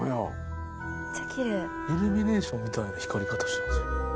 イルミネーションみたいな光り方してますよ。